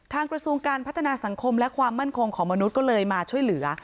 กระทรวงการพัฒนาสังคมและความมั่นคงของมนุษย์ก็เลยมาช่วยเหลือ